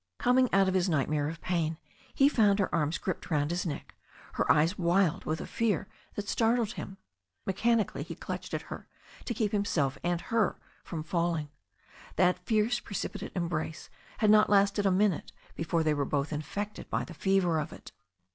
Coming out of his nightmare of pain, he found her arms gripped round his neck, her eyes wild with a fear that startled him. Mechanically he clutched at her to keep him self and her from falling. That fierce precipitated embrace had not lasted a minute before they were both infected by the fever of it.